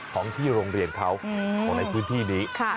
ของที่โรงเรียนเขาของในพื้นที่นี้